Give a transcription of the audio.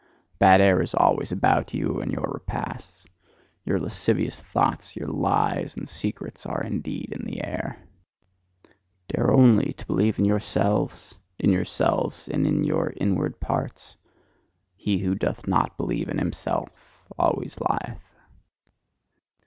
Bad air is always about you and your repasts: your lascivious thoughts, your lies, and secrets are indeed in the air! Dare only to believe in yourselves in yourselves and in your inward parts! He who doth not believe in himself always lieth.